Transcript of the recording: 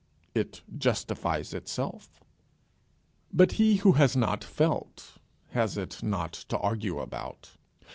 It justifies itself. But he who has not felt has it not to argue about.